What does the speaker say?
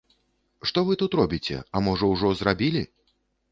Што вы тут робіце, а можа, ужо зрабілі?